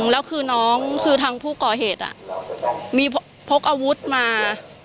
แล้วคือน้องคือทางผู้ก่อเหตุมีพกอาวุธมา